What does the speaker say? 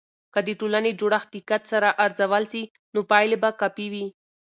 که د ټولنې جوړښت دقت سره ارزول سي، نو پایلې به کافي وي.